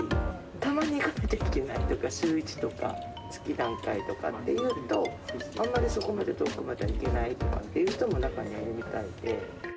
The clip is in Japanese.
たまに行かなきゃいけないとか、週１とか、月何回とかっていうと、あんまりそこまで遠くまでは行けないとかっていう人も中にはいるみたいで。